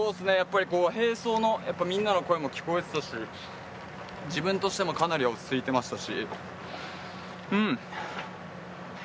並走のみんなの声も聞こえてたし自分としてもかなり落ち着いていましたし。